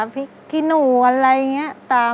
ภิ่นนูเยอะอะไรอย่างนี้